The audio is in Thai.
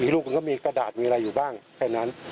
ลูกมันก็มีกระดาษมีอะไรอยู่บ้างแค่นั้น